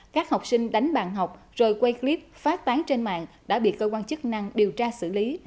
các học sinh đánh bạn học rồi quay clip phát tán trên mạng đã bị cơ quan chức năng điều tra xử lý